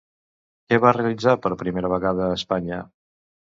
Què va realitzar, per primera vegada a Espanya?